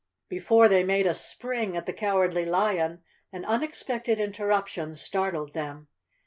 Before they made a spring at the Cowardly Lion an unexpected interruption startled them.